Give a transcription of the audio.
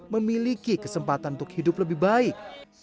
memiliki kesempatan untuk hidup lebih baik